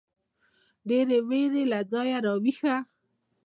ډېـرې وېـرې له ځايـه راويـښه.